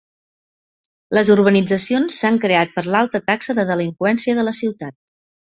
Les urbanitzacions s'han creat per l'alta taxa de delinqüència de la ciutat.